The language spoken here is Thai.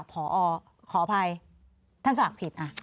พอขออภัยท่านสมัครผิด